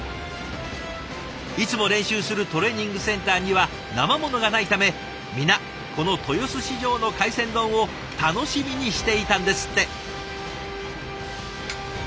いつも練習するトレーニングセンターにはなま物がないため皆この豊洲市場の海鮮丼を楽しみにしていたんですって。